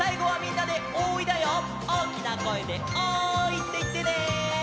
おおきなこえで「おーい」っていってね。